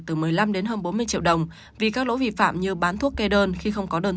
từ một mươi năm đến hơn bốn mươi triệu đồng vì các lỗi vi phạm như bán thuốc kê đơn khi không có đơn